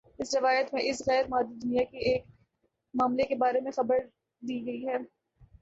اس روایت میں اس غیر مادی دنیا کے ایک معاملے کے بارے میں خبردی گئی ہے